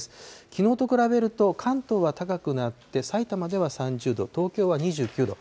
きのうと比べると、関東は高くなって、さいたまでは３０度、東京は２９度。